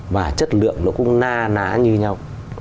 và chất lượng nó cũng na ná như nhau